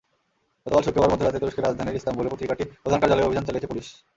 গতকাল শুক্রবার মধ্যরাতে তুরস্কের রাজধানীর ইস্তাম্বুলে পত্রিকাটির প্রধান কার্যালয়ে অভিযান চালিয়েছে পুলিশ।